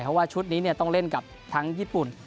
เพราะว่าชุดนี้ต้องเล่นกับทั้งญี่ปุ่น